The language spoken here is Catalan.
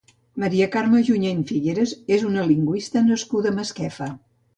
Maria Carme Junyent Figueras és una lingüista nascuda a Masquefa.